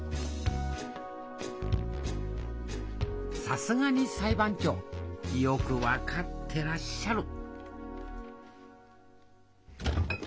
さすがに裁判長よく分かってらっしゃる！